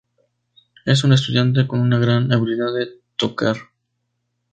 Es un estudiante con una gran habilidad de tocar.